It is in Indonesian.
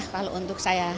kalau untuk saya